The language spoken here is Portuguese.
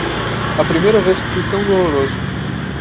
A primeira vez que fui tão doloroso